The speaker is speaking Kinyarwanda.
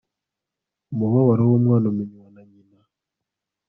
umubabaro w'umwana umenywa na nyina